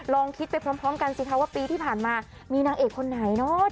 ลองคิดไปพร้อมกันสิคะว่าปีที่ผ่านมามีนางเอกคนไหนเนาะ